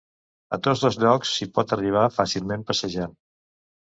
A tots dos llocs s'hi pot arribar fàcilment passejant.